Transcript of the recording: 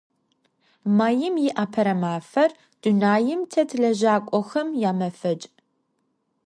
Maim yi Apere mafer – dunaim têt lejak'oxem yamefeç'.